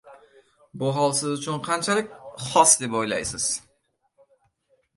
Bu hol Siz uchun qanchalik xos deb o‘ylaysiz?